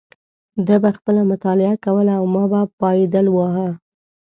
ده به خپله مطالعه کوله او ما به پایډل واهه.